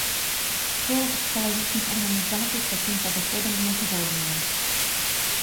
Шэраг экалагічных арганізацый з такім падыходам не згодныя.